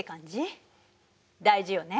大事よね。